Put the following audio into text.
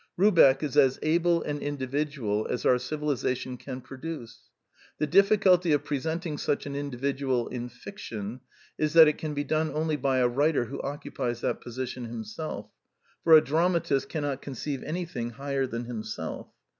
Rubeck is as able an individual as our civilization can produce. The difficulty of presenting such an individual in fiction is that it can be done only by a writer who occupies that position himself; for a dramatist cannot conceive anything higher than himself.